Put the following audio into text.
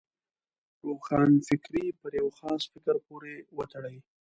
روښانفکري پر یو خاص فکر پورې وتړي.